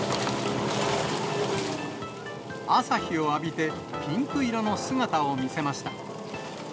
朝日を浴びて、ピンク色の姿を見せました。